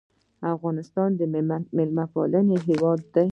افغانستان د میلمه پالنې هیواد دی